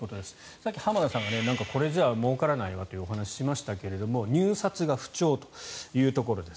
さっき浜田さんがこれじゃあもうからないという話をしましたが入札が不調というところです。